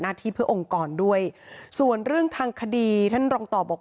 ที่เพื่อองค์กรด้วยส่วนเรื่องทางคดีท่านรองต่อบอก